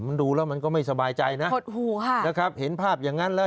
มันดูแล้วมันก็ไม่สบายใจนะหดหูค่ะนะครับเห็นภาพอย่างนั้นแล้ว